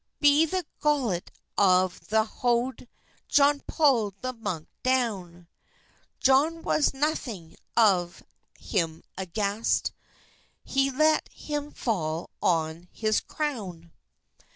Be the golett of the hode Johne pulled the munke downe; Johne was nothynge of hym agast, He lete hym falle on his crowne.